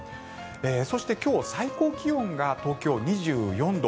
そして、今日、最高気温が東京は２４度。